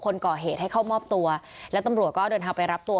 คนก่อเหตุให้เข้ามอบตัวแล้วตำรวจก็เดินทางไปรับตัว